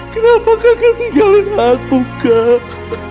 kenapa kakak tinggalin aku kak